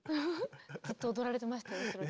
ずっと踊られてましたよ後ろで。